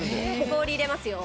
氷入れますよ